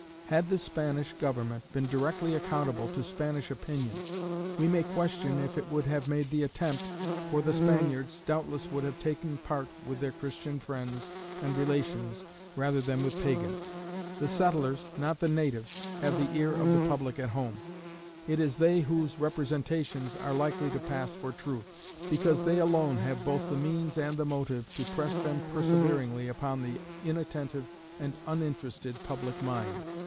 Had the Spanish government been directly accountable to Spanish opinion, we may question if it would have made the attempt, for the Spaniards, doubtless, would have taken part with their Christian friends and relations rather than with pagans. The settlers, not the natives, have the ear of the public at home; it is they whose representations are likely to pass for truth, because they alone have both the means and the motive to press them perseveringly upon the inattentive and uninterested public mind.